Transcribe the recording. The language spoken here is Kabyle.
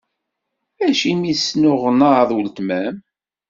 Acimi i tesnuɣnaḍ weltma-m?